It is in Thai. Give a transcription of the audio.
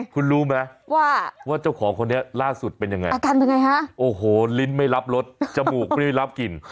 คุณรู้ไหมว่าเจ้าของคนนี้ล่าสุดเป็นอย่างไรโอ้โหลิ้นไม่รับรสจมูกไม่รับกลิ่น